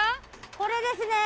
これですね。